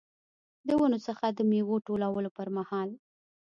د ونو څخه د میوو ټولولو پرمهال.